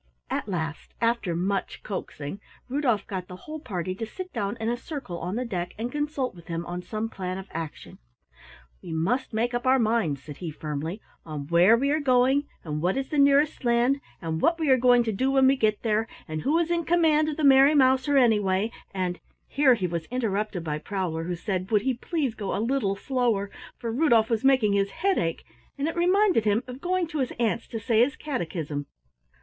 At last, after much coaxing, Rudolf got the whole party to sit down in a circle on the deck and consult with him on some plan of action. "We must make up our minds," said he firmly, "on where we are going, and what is the nearest land, and what we are going to do when we get there, and who is in command of the Merry Mouser, anyway, and " Here he was interrupted by Prowler who said would he please go a little slower, for Rudolf was making his head ache and it reminded him of going to his aunt's to say his catechism.